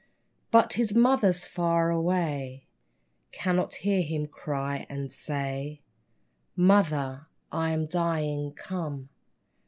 But his mother's far away ; Cannot hear him cry and say : Mother, I am dying, come